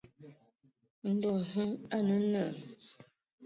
Ndɔ hm a nə naa.